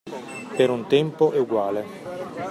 Per un tempo eguale